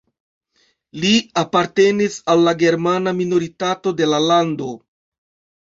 Li apartenis al la germana minoritato de la lando.